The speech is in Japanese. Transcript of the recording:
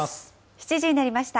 ７時になりました。